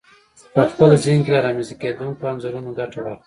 په خپل ذهن کې له رامنځته کېدونکو انځورونو ګټه واخلئ.